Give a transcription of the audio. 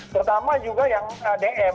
terutama juga yang dm